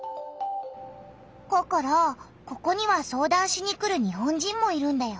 ココロここには相談しに来る日本人もいるんだよ。